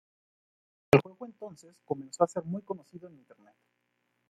El juego entonces comenzó a ser muy conocido en Internet.